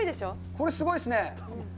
これ、すごいっすね。